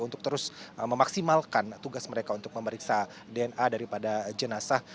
untuk terus memaksimalkan tugas mereka untuk memeriksa dna daripada jenazah